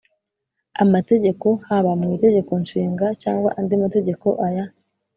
amategeko haba mu Itegeko Nshinga cyangwa andi mategeko Aya